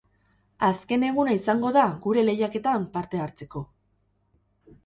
Azken eguna izango da gure lehiaketan parte hartzeko!